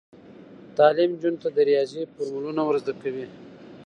تعلیم نجونو ته د ریاضي فورمولونه ور زده کوي.